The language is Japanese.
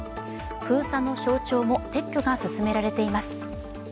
封鎖の象徴も撤去が進められています。